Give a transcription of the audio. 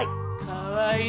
かわいい！